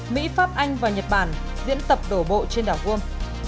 mỹ pháp anh và nhật bản diễn tập đổ bộ trên đảo world